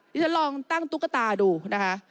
ที่ฉันลองตั้งตุ๊กตาดูนะคะ